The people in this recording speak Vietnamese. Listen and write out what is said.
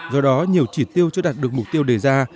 do đó nhiều chỉ tiêu chưa đạt được mục tiêu đề ra